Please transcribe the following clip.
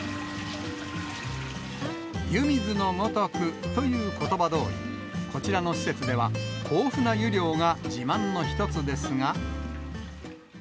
湯水のごとくということばどおり、こちらの施設では、豊富な湯量が自慢の一つですが。